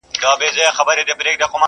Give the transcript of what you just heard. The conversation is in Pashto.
هلته وګوره خپل ځان ته،